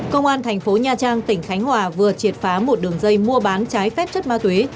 công an thành phố nha trang tỉnh khánh hòa vừa triệt phá một đường dây mua bán trái phép chất ma túy